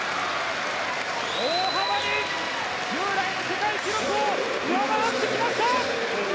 大幅に従来の世界記録を上回ってきました！